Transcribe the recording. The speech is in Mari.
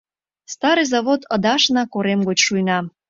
Старый Завод Одашна корем гоч шуйна.